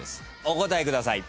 お答えください。